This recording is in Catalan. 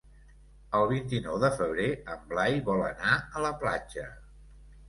El vint-i-nou de febrer en Blai vol anar a la platja.